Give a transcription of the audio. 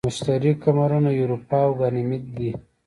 د مشتری قمرونه یوروپا او ګانیمید دي.